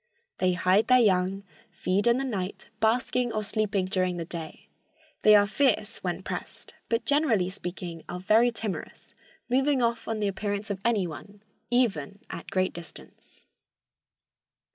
"They hide their young, feed in the night, basking or sleeping during the day. They are fierce when pressed, but generally speaking are very timorous, moving off on the appearance of anyone, even at a great distance."